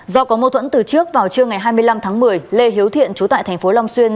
do có mâu thuẫn từ trước vào trưa ngày hai mươi năm tháng một mươi lê hiếu thiện trú tại thành phố long xuyên